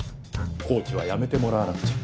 コーチは辞めてもらわなくちゃ。